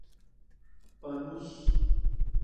پانوس